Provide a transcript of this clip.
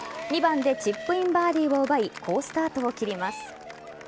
２番でチップインバーディーを奪い好スタートを切ります。